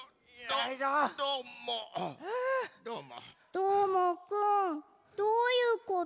どーもくんどういうこと？